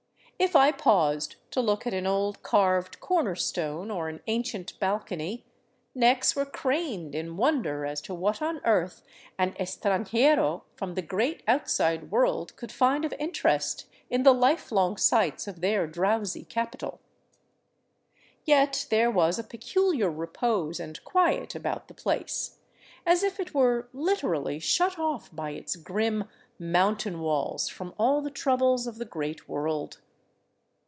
If I paused to look at an old carved corner stone or an ancient balcony, necks were craned in wonder as to what on earth an estranjero from the great outside world could find of interest in the lifelong sights of their drowsy capital. Yet there was a peculiar repose and quiet about the place, as if it were literally shut off by its grim mountain walls from all the troubles of the great world.